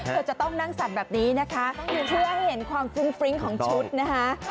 เธอจะต้องนั่งสั่นแบบนี้นะคะเพื่อให้เห็นความฟุ้งฟริ้งของชุดนะคะ